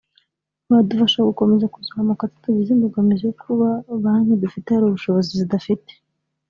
wadufasha gukomeza kuzamuka tutagize imbogamizi yo kuba banki dufite hari ubushobozi zidafite